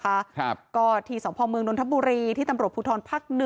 ครับก็ที่สวทพมเมืองโดนทับบุรีที่ตำรวจผู้ทรพัก๑